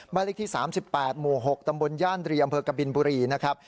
บ้านเลขที่๓๘หมู่๖ตำบลย่านเรียมบิลบุรีนะครับ